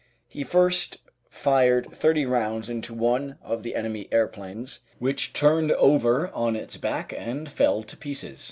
He first fired 30 rounds into one of the enemy aeroplanes, which turned over on its back and fell to pieces.